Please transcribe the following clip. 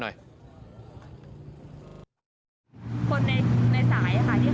คนในสายที่เขาโทรไป